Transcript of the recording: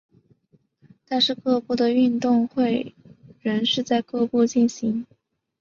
但是各部的运动会仍是在各部进行。